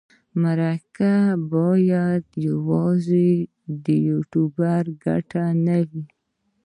مرکه باید یوازې د یوټوبر ګټه نه وي.